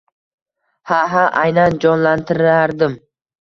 Ha-ha, aynan jonlantirardim